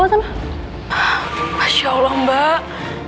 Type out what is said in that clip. bawa sama masya allah mbak